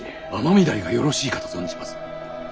尼御台がよろしいかと存じます。